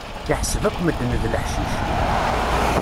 Iḥseb akk medden d leḥcic.